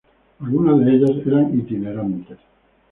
Algunas de ellas eran itinerantes.